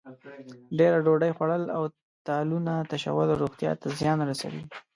ډېره ډوډۍ خوړل او تالونه تشول روغتیا ته زیان رسوي.